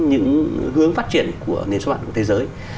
những hướng phát triển của nền xuất bản của thế giới